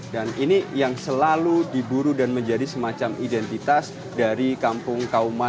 dan ini yang selalu diburu dan menjadi semacam identitas dari kampung kauman yogyakarta